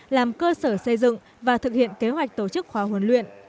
làm cơ sở xây dựng và thực hiện kế hoạch tổ chức khóa huấn luyện